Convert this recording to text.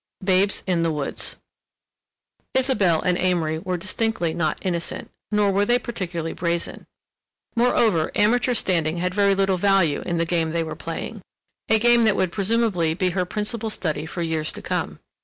BABES IN THE WOODS Isabelle and Amory were distinctly not innocent, nor were they particularly brazen. Moreover, amateur standing had very little value in the game they were playing, a game that would presumably be her principal study for years to come.